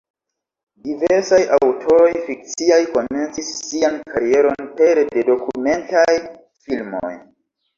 Diversaj aŭtoroj fikciaj komencis sian karieron pere de dokumentaj filmoj.